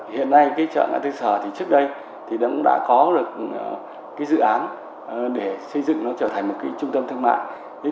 hiện nay chợ ngã tư sở trước đây đã có dự án để xây dựng nó trở thành một trung tâm thương mại